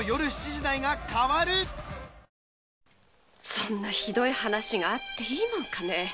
そんなひどい話があっていいもんかね。